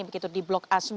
begitu di blok a sembilan